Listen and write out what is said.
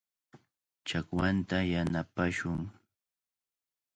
Chakwanta yanapashun.